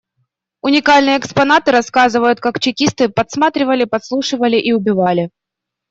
Уникальные экспонаты рассказывают, как чекисты подсматривали, подслушивали и убивали.